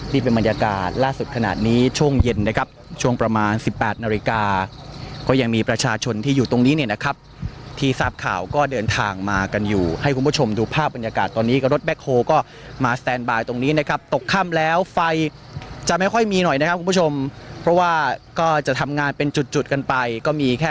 นี่เป็นบรรยากาศล่าสุดขนาดนี้ช่วงเย็นนะครับช่วงประมาณสิบแปดนาฬิกาก็ยังมีประชาชนที่อยู่ตรงนี้เนี่ยนะครับที่ทราบข่าวก็เดินทางมากันอยู่ให้คุณผู้ชมดูภาพบรรยากาศตอนนี้ก็รถแบ็คโฮก็มาสแตนบายตรงนี้นะครับตกค่ำแล้วไฟจะไม่ค่อยมีหน่อยนะครับคุณผู้ชมเพราะว่าก็จะทำงานเป็นจุดจุดกันไปก็มีแค่